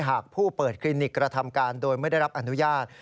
หากผู้เปิดคลินิกกระทำการโดยไม่ได้รับอนุญาต